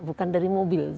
bukan dari mobil